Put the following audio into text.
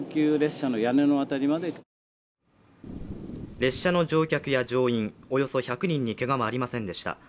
列車の乗客や乗員およそ１００人にけがはありませんでした。